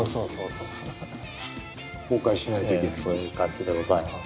そういう感じでございます。